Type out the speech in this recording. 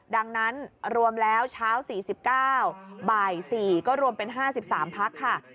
ดังนั้นรวมแล้วเช้า๔๙บ่าย๔ก็รวมเป็น๕๓พักค่ะ